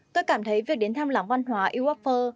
tôi cảm thấy việc đến thăm lòng văn hóa iwafo